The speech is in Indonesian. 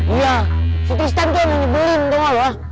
iya si tristan tuh yang nyebelin tau gak lo